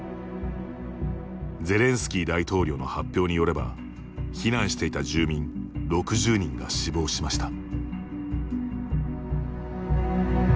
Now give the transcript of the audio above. ゼレンスキー大統領の発表によれば、避難していた住民６０人が死亡しました。